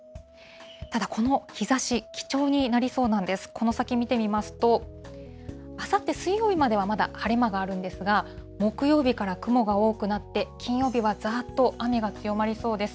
この先見てみますと、あさって水曜日まではまだ晴れ間があるんですが、木曜日から雲が多くなって、金曜日はざーっと雨が強まりそうです。